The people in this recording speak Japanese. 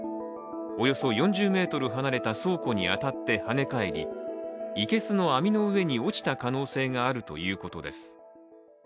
およそ４０ｍ離れた倉庫に当たって跳ね返り生けすの網の上に落ちた可能性があるということです。